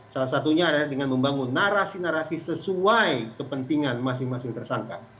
salah satunya adalah dengan membangun narasi narasi sesuai kepentingan masing masing tersangka